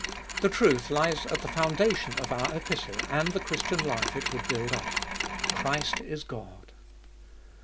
The truth lies at the foundation of our Epistle, and the Christian life it would build up : Christ is God.